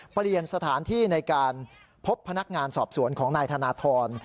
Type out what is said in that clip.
เปลี่ยนสถานที่ในการพบพนักงานสอบสวนของนายธนทร